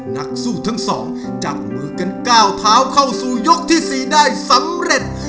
นักสู้ทั้งสองจับมือกันก้าวเท้าเข้าสู่ยกที่๔ได้สำเร็จ